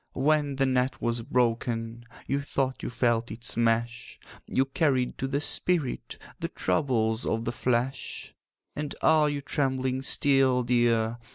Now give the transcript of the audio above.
'When the net was broken, You thought you felt its mesh; You carried to the spirit The troubles of the flesh. 'And are you trembling still, dear?